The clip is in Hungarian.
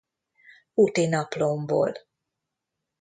Uti naplómból.